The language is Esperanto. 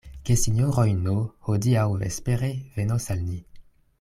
Gesinjoroj N. hodiaŭ vespere venos al ni.